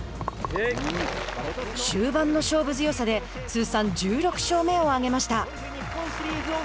終盤の勝負強さで通算１６勝目を挙げました。